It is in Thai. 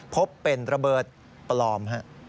พบเป็นระเบิดปลอม